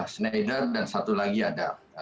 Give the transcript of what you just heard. schneider dan satu lagi ada